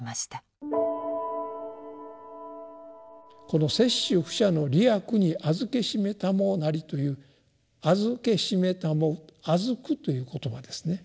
この「摂取不捨の利益にあづけしめたまふなり」という「あづけしめたまふ」の「あづく」という言葉ですね。